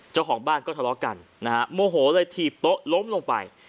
เจ้าของบ้านก็ทะเลาะกันนะฮะโมโหเลยถีบโต๊ะล้มลงไป